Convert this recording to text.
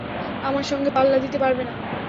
আমার সঙ্গে পাল্লা দিতে পারবে না।